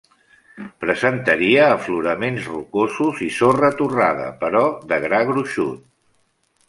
Presentaria afloraments rocosos i sorra torrada, però de gra gruixut.